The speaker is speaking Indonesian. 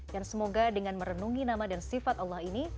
dan semoga dengan merenungi nama dan sifat allah ini